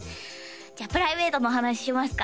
じゃあプライベートの話しますか？